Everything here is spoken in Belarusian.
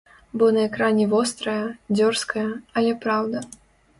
Бо на экране вострая, дзёрзкая, але праўда.